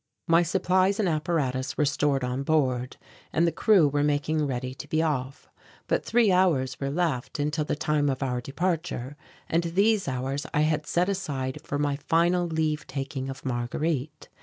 My supplies and apparatus were stored on board and the crew were making ready to be off. But three hours were left until the time of our departure and these hours I had set aside for my final leave taking of Marguerite.